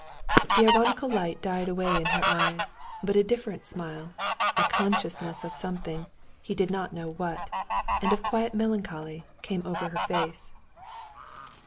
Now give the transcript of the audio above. The ironical light died away in her eyes, but a different smile, a consciousness of something, he did not know what, and of quiet melancholy, came over her face.